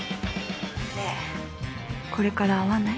☎ねえこれから会わない？